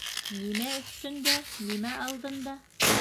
Нимә өҫтөндә? Нимә алдында?